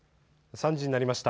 ３時になりました。